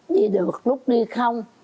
đi được lúc đi không